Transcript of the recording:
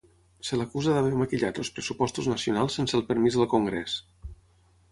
Se l’acusa d’haver maquillat els pressupostos nacionals sense el permís del congrés.